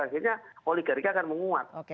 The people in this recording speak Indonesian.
akhirnya oligarka akan menguat